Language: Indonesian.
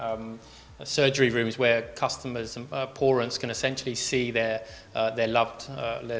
termasuk memiliki ruang operasi di mana pelanggan dan pelanggan bisa melihat